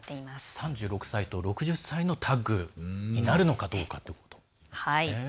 ３６歳と６０歳のタッグになるかということですね。